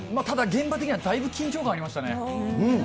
ただ、現場的にはだいぶ緊張感ありましたね。